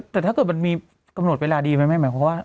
แต่ถ้าเกิดมีกำหนดเวลาดีไหมหมายความว่า